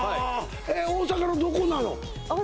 えっ大阪のどこなの？